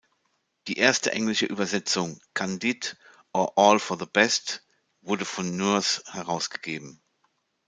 Die erste englische Übersetzung, "Candid, or All fo the best", wurde von Nourse herausgegeben.